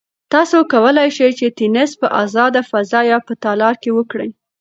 تاسو کولای شئ چې تېنس په ازاده فضا یا په تالار کې وکړئ.